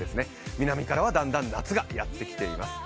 南からはだんだん夏がやってきています。